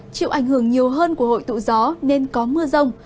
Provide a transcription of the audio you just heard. chịu ảnh hưởng nhiều hơn của hội tụ gió nên có mưa rông